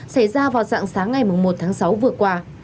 xảy ra vào dạng sáng ngày một tháng sáu vừa qua